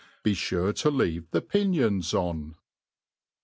Be fure to leave the pinions on.